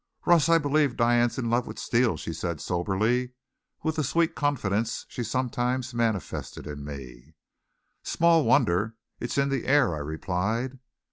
"Russ, I believe Diane's in love with Steele," she said soberly, with the sweet confidence she sometimes manifested in me. "Small wonder. It's in the air," I replied.